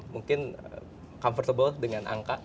mungkin comfortable dengan angka